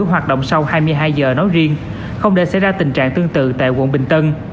hoạt động sau hai mươi hai h nói riêng không để xảy ra tình trạng tương tự tại quận bình tân